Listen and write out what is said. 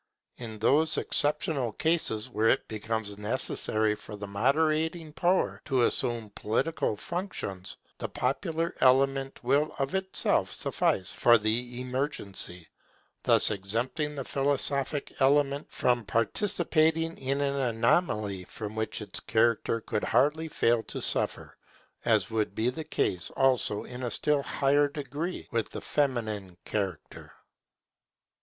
In those exceptional cases where it becomes necessary for the moderating power to assume political functions, the popular element will of itself suffice for the emergency, thus exempting the philosophic element from participating in an anomaly from which its character could hardly fail to suffer, as would be the case also in a still higher degree with the feminine character.